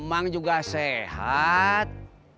emang juga sehat